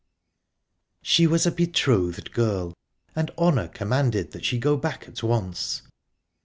She was a betrothed girl, and honour commanded she go back at once.